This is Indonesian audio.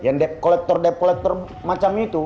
yang dep kolektor dep kolektor macam itu